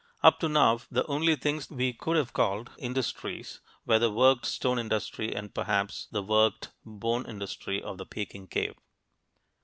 Up to now, the only things we could have called "industries" were the worked stone industry and perhaps the worked (?) bone industry of the Peking cave.